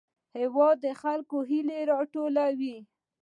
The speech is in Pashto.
هېواد د خلکو هیلې راټولوي.